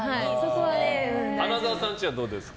花澤さん家はどうですか？